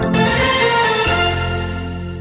ลูกไปเลย